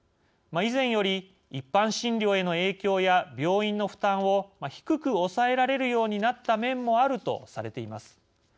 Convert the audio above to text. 以前より一般診療への影響や病院の負担を低く抑えられるようになった面もあるとされています。